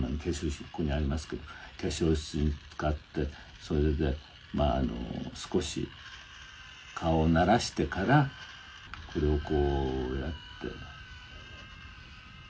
ここにありますけど化粧水使ってそれでまああの少し顔をならしてからこれをこうやって」